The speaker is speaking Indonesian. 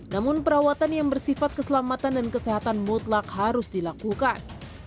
namun perawatan yang bersifat keselamatan dan kesehatan mutlak harus dilakukan